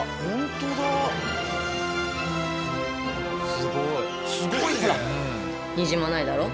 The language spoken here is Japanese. すごい！